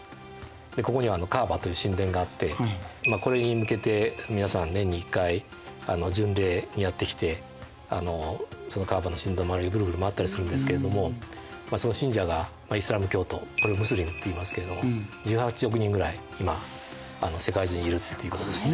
ここにはカーバという神殿があってこれに向けて皆さん年に１回巡礼にやって来てそのカーバの神殿の周りをグルグル回ったりするんですけれどもその信者がイスラーム教徒これムスリムっていいますけれども１８億人ぐらい今世界中にいるっていうことですね。